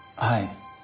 はい。